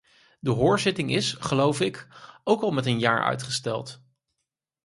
De hoorzitting is, geloof ik, ook al met een jaar uitgesteld.